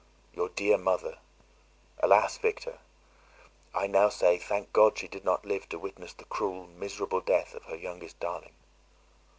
Your dear mother! Alas, Victor! I now say, Thank God she did not live to witness the cruel, miserable death of her youngest darling!